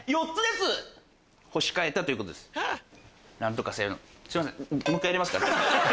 すいません。